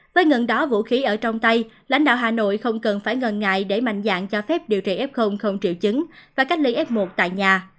với ngân đó vũ khí ở trong tay lãnh đạo hà nội không cần phải ngần ngại để mạnh dạng cho phép điều trị f không triệu chứng và cách ly f một tại nhà